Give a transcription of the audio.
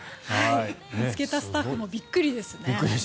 見つけたスタッフもびっくりですね。